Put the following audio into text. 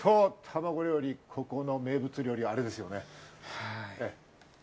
たまご料理、ここの名物料理はあれですよね？